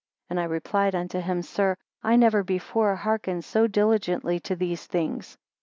8 And I replied unto him, Sir, I never before hearkened so diligently to these things.